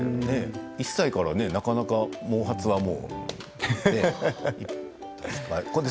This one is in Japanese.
１歳から、なかなかね毛髪がね。